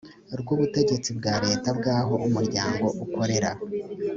rw ubutegetsi bwa leta bw aho umuryango ukorera